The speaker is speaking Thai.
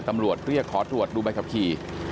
ตำรวจเรียกขอตรวจดูใบขับขี่